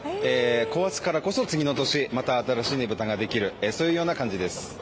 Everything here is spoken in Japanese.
壊すからこそ次の年また新しいねぶたができるそういうような感じです。